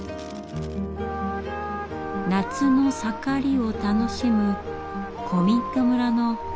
夏の盛りを楽しむ古民家村のお話です。